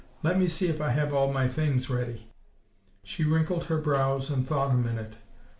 let me see if I have all my things ready." She wrinkled her brows and thought a minute.